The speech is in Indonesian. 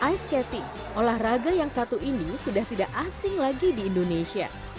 ice skating olahraga yang satu ini sudah tidak asing lagi di indonesia